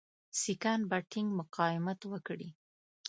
سیکهان به ټینګ مقاومت وکړي.